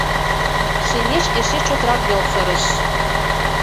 Шемеч эше чотрак вел сырыш